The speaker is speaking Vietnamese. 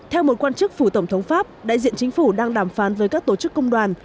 theo một quan chức phủ tổng thống pháp đại diện chính phủ đang đàm phán với các tổ chức công đoàn